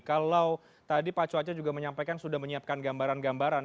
kalau tadi pak cuaca juga menyampaikan sudah menyiapkan gambaran gambaran